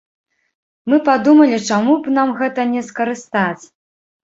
Мы падумалі, чаму б нам гэта не скарыстаць.